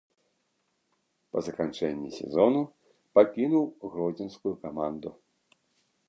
Па заканчэнні сезону пакінуў гродзенскую каманду.